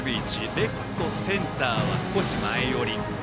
レフト、センターは少し前寄り。